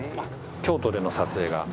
京都での撮影が。